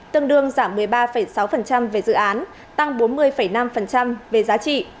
tương đương giảm một mươi ba sáu về dự án tăng bốn mươi năm về giá trị